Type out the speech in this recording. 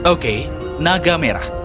oke naga merah